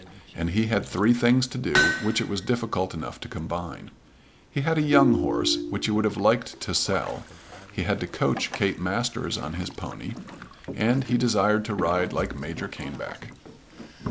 And he had three things to do which it was difficult enough to combine. He had a young horse which he would have liked to sell; he had to coach Kate Masters on his pony; and he desired to ride like Major Caneback.